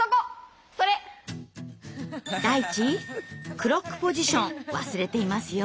ダイチクロックポジション忘れていますよ。